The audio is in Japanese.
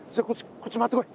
こっち回ってこい。